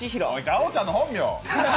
ガオちゃんの本名。